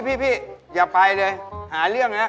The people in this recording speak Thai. พี่อย่าไปเลย